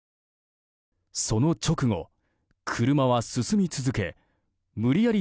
その直後、車は進み続け無理やり